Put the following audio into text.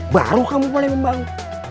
baru kamu boleh membangun